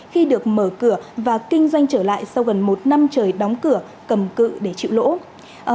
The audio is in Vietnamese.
khi được mở cửa và kinh doanh trở lại sau gần một năm trời đóng cửa cầm cự để chịu lỗ